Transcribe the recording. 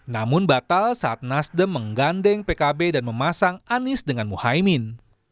namun batal saat nasdem menggandeng pkb dan memasang anies dengan muhaymin